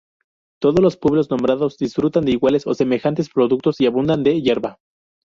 Todos los pueblos nombrados disfrutan de iguales o semejantes productos y abundan de yerba.